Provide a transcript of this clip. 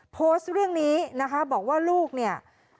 โพสต์เรื่องนี้นะคะบอกว่าลูกเนี่ย